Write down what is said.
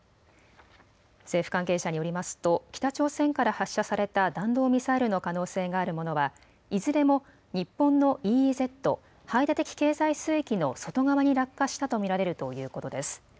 政府関係者によりますと北朝鮮から発射された弾道ミサイルの可能性があるものはいずれも日本のＥＥＺ・排他的経済水域の外側に落下したと見られるということです。